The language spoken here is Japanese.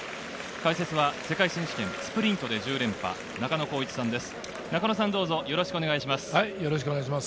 解説は世界選手権スプリントで１０連覇、中野浩一さんです。